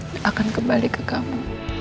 saya akan kembali ke kamu